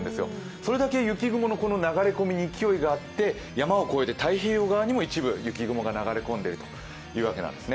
それだけ雪雲の流れ込みに勢いがあって山を越えて太平洋側にも一部雪雲が流れ込んでいるというわけです。